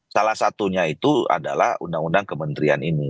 salah satunya itu adalah undang undang kementerian ini